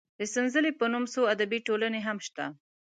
د سنځلې په نوم څو ادبي ټولنې هم شته.